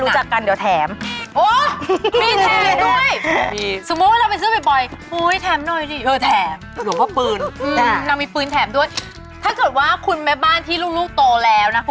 ใช่แล้วค่ะ